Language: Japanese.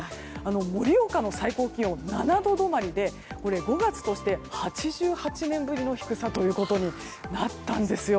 盛岡の最高気温、７度止まりで５月として８８年ぶりの低さということになったんです。